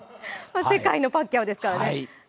世界のパッキャオですからね。